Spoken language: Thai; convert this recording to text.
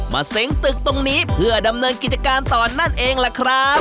เซ้งตึกตรงนี้เพื่อดำเนินกิจการต่อนั่นเองล่ะครับ